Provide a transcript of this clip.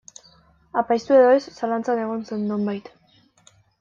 Apaiztu edo ez, zalantzan egon zen, nonbait.